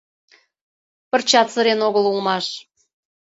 Пырчат сырен огыл улмаш.